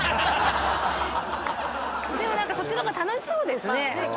でも何かそっちの方が楽しそうですね。